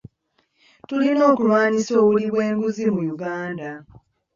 Tulina okulwanyisa obuli bw'enguzi mu Uganda.